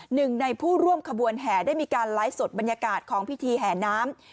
หนึ่งในผู้ร่วมขบวนแห่ได้มีการไลฟ์สดบรรยากาศของพิธีแห่น้ำ